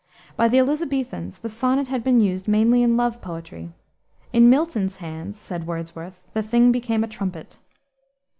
By the Elisabethans the sonnet had been used mainly in love poetry. In Milton's hands, said Wordsworth, "the thing became a trumpet."